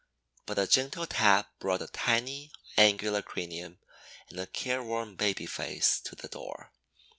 But a gentle tap brought a tiny, angular cranium and a careworn baby face to the door.